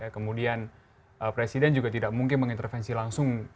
kemudian presiden juga tidak mungkin mengintervensi langsung